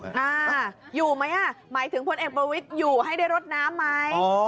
อ่าอยู่ไหมอ่ะหมายถึงพลเอกประวิทย์อยู่ให้ได้รดน้ำไหม